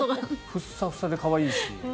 ふっさふさで可愛いし。